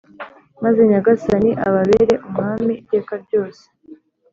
maze Nyagasani ababere umwami iteka ryose.